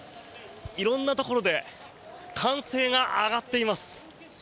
色んなところで歓声が上がっています。